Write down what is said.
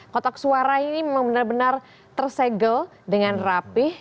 kotak suara ini memang benar benar tersegel dengan rapih